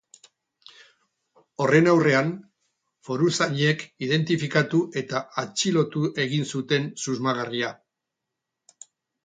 Horren aurrean, foruzainek identifikatu eta atxilotu egin zuten susmagarria.